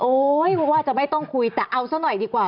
โอ๊ยเพราะว่าจะไม่ต้องคุยแต่เอาซะหน่อยดีกว่า